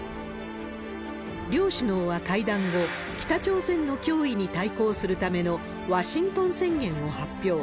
両首脳は会談後、北朝鮮の脅威に対抗するためのワシントン宣言を発表。